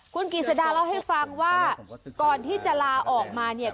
คุณกิจสดาเล่าให้ฟังว่าก่อนที่จะลาออกมาเนี่ย